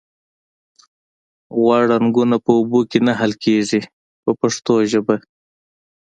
غوړ رنګونه په اوبو کې نه حل کیږي په پښتو ژبه.